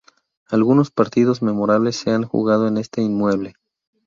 Algunos partidos memorables se han jugado en este inmueble.